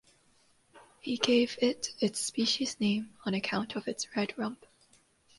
He gave it its species name on account of its red rump.